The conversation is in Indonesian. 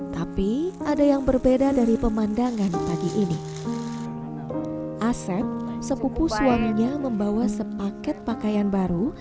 tapi ada yang berbeda dari pemandangan pagi ini asep sepupu suaminya membawa sepaket pakaian baru